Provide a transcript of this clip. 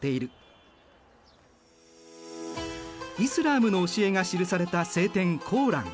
イスラームの教えが記された聖典「コーラン」。